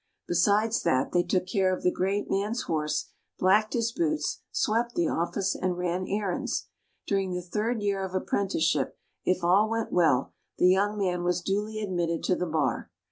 Besides that, they took care of the great man's horse, blacked his boots, swept the office, and ran errands. During the third year of apprenticeship, if all went well, the young man was duly admitted to the Bar.